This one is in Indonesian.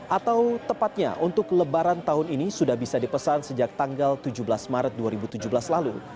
atau tepatnya untuk lebaran tahun ini sudah bisa dipesan sejak tanggal tujuh belas maret dua ribu tujuh belas lalu